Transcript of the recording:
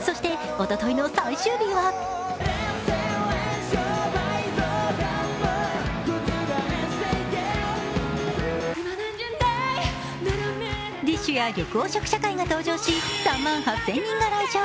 そして、おとといの最終日はＤＩＳＨ／／や緑黄色社会が登場し３万８０００人が来場。